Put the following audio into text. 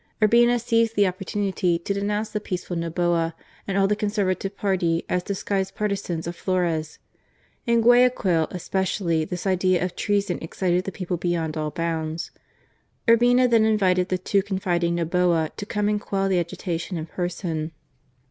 Urbina seized the opportunity to denounce the peaceful Noboa and all the Conservative party as disguised partisans of Flores. In Guayaquil especially this idea of treason excited the people beyond all bounds. Urbina then invited the too confiding Noboa to come and quell the agitation in person.